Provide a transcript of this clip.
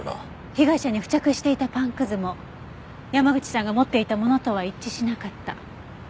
被害者に付着していたパンくずも山口さんが持っていたものとは一致しなかった。